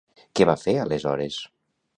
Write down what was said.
Què va fer, aleshores?